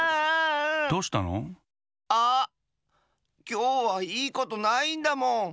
きょうはいいことないんだもん。